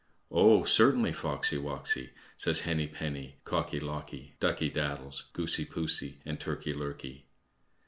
"Oh, certainly, Foxy woxy," says Henny penny, Cocky locky, Ducky daddles, Goosey poosey, and Turkey lurkey.